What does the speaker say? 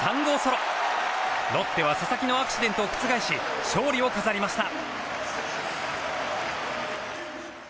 ロッテは佐々木のアクシデントを覆し勝利を飾りました。